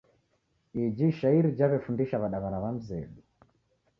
Iji ishairi jaw'efundisha w'adaw'ana w'a mzedu.